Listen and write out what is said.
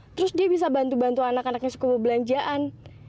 terus dia bisa bantu bantu anak anaknya suka berbelanjaan